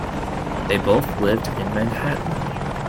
They both lived in Manhattan.